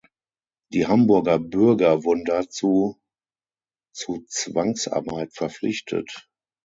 Die Hamburger Bürger wurden dazu zu Zwangsarbeit verpflichtet.